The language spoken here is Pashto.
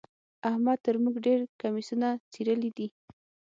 احمد تر موږ ډېر کميسونه څيرلي دي.